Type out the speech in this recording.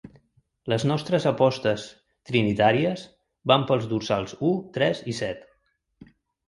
Les nostres apostes trinitàries van pels dorsals u, tres i set.